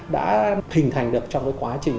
đã hình thành được trong cái quá trình